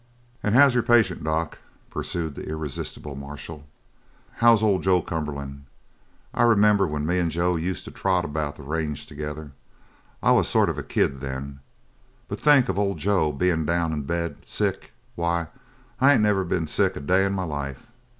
"And how's your patient, doc?" pursued the irresistible marshal. "How's old Joe Cumberland? I remember when me and Joe used to trot about the range together. I was sort of a kid then; but think of old Joe bein' down in bed sick! Why, I ain't never been sick a day in my life.